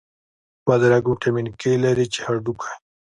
بادرنګ ویټامین K لري، چې هډوکی